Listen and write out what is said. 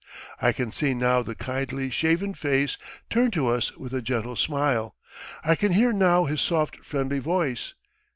I can see now the kindly, shaven face turned to us with a gentle smile, I can hear now his soft friendly voice.